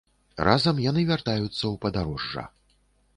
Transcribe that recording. Разам яны вяртаюцца ў падарожжа.